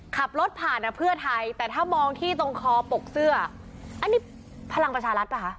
ขับรถผ่านอ่ะเพื่อไทยแต่ถ้ามองที่ตรงคอปกเสื้ออันนี้พลังประชารัฐป่ะคะ